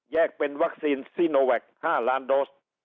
เป็นวัคซีนซีโนแวค๕ล้านโดส